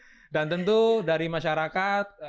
mas sekjen dan tentu dari masyarakat